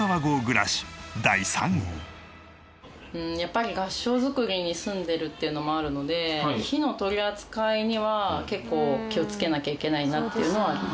やっぱり合掌造りに住んでるっていうのもあるので火の取り扱いには結構気をつけなきゃいけないなっていうのはありますね。